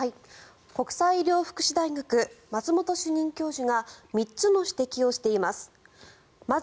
国際医療福祉大学松本主任教授が３つの指摘をしています。